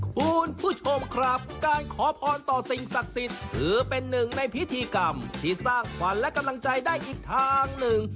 คุณผู้ชมครับการขอพรต่อสิ่งศักดิ์สิทธิ์ถือเป็นหนึ่งในพิธีกรรมที่สร้างขวัญและกำลังใจได้อีกทางหนึ่ง